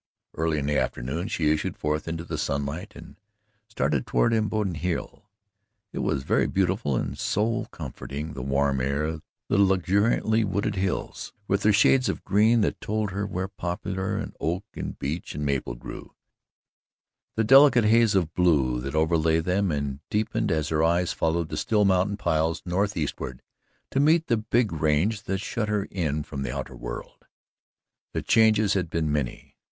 Early in the afternoon she issued forth into the sunlight, and started toward Imboden Hill. It was very beautiful and soul comforting the warm air, the luxuriantly wooded hills, with their shades of green that told her where poplar and oak and beech and maple grew, the delicate haze of blue that overlay them and deepened as her eyes followed the still mountain piles north eastward to meet the big range that shut her in from the outer world. The changes had been many.